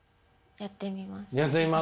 やってみます？